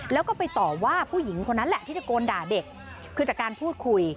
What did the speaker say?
แล้วก็ไปต่อว่าผู้หญิงคนนั้นแหละที่ตะโกนด่าเด็กคือจากการพูดคุย